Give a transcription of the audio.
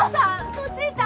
そっちいた？